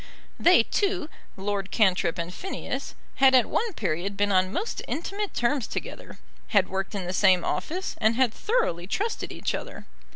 They two, Lord Cantrip and Phineas, had at one period been on most intimate terms together; had worked in the same office, and had thoroughly trusted each other.